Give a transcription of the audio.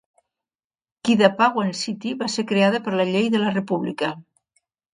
Kidapawan City va ser creada per la Llei de la república.